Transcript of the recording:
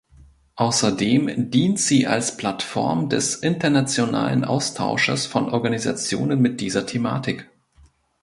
Außerdem dient sie als Plattform des internationalen Austausches von Organisationen mit dieser Thematik.